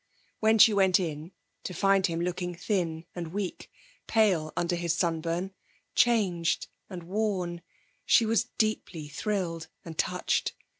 When she went in, to find him looking thin and weak, pale under his sunburn, changed and worn, she was deeply thrilled and touched.